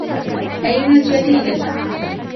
أَيْنَ الْجَرِيدَةُ ؟